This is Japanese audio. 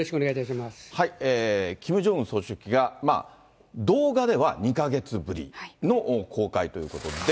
総書記が動画では２か月ぶりの公開ということで。